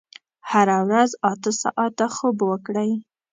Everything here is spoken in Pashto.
هره ورځ اته ساعته خوب وکړئ.